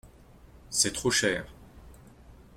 C’est trop cher.